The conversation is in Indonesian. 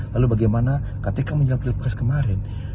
lalu bagaimana ketika menjelang pilpres kemarin